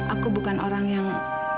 aku bukan orang yang